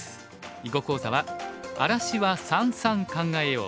囲碁講座は「荒らしは三々考えよう」。